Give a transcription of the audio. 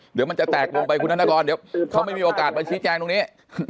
เดี๋ยวมันจะแตกลงไปคุณธนกรเดี๋ยวเขาไม่มีโอกาสมาชี้แจงตรงนี้